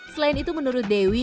selain itu menurut dewi